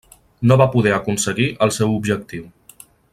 No va poder aconseguir el seu objectiu.